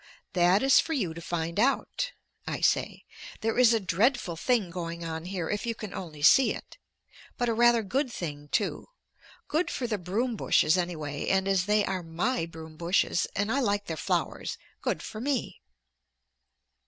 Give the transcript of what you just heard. "That is for you to find out," I say. "There is a dreadful thing going on here if you can only see it. But a rather good thing too. Good for the broom bushes anyway, and as they are my broom bushes and I like their flowers, good for me."